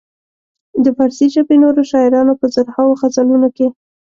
د فارسي ژبې نورو شاعرانو په زرهاوو غزلونو کې.